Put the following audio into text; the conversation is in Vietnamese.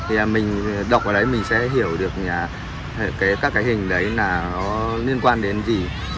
thì mình đọc ở đấy mình sẽ hiểu được các hình đấy là liên quan đến gì